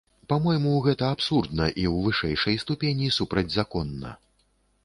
Па-мойму, гэта абсурдна, і ў вышэйшай ступені супрацьзаконна.